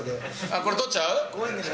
これ、取っちゃう？